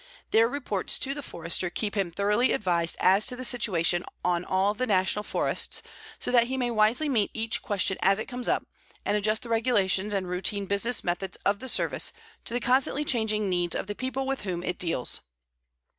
Their reports to the Forester keep him thoroughly advised as to the situation on all the National Forests, so that he may wisely meet each question as it comes up, and adjust the regulations and routine business methods of the Service to the constantly changing needs of the people with whom it deals.